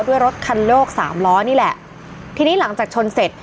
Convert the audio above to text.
รถคันโลกสามล้อนี่แหละทีนี้หลังจากชนเสร็จ